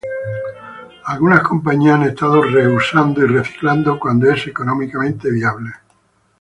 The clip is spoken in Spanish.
Algunas compañías han estado re-usando y reciclando cuando es económicamente viable.